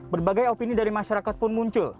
berbagai opini dari masyarakat pun muncul